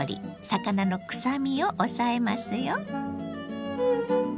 魚のくさみを抑えますよ。